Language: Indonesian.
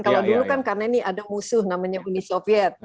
kalau dulu kan karena ini ada musuh namanya uni soviet